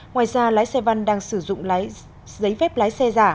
ngoài ra lái xe văn đang sử dụng giấy phép lái xe giả